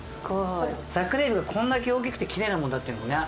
桜えびがこれだけ大きくてきれいなものだっていうのもね